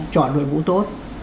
chọn nội vụ tốt